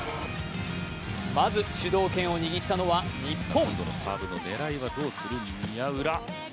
まず主導権を握ったのは日本。